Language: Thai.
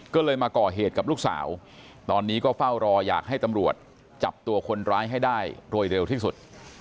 ก็เลยมาก่อเหตุกับลูกสาวตอนนี้ก็เฝ้ารออยากให้ตำรวจจับตัวคนร้ายให้ได้โดยเร็วที่สุด